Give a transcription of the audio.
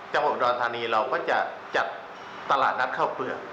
จังหวัดอุดรธานีเราก็จะจัดตลาดนัดข้าวเปลือก